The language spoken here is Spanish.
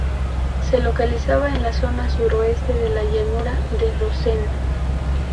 Se localizaba en la zona suroeste de la Llanura de Dozen.